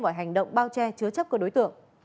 mọi hành động bao che chứa chấp các đối tượng